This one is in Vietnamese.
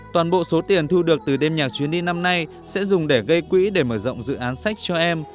toàn bộ số tiền thu được từ đêm nhà chuyến đi năm nay sẽ dùng để gây quỹ để mở rộng dự án sách cho em